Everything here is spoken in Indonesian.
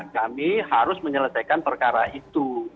kami harus menyelesaikan perkara itu